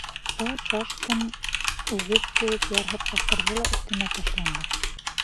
Ул шашҡан үгеҙ кеүек ярһып аҡырҙы ла өҫтөмә ташланды.